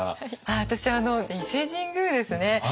私伊勢神宮ですね。